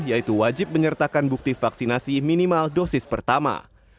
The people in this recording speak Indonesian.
yaitu wajib menyertakan bukti vaksinasi minimal dosis pertama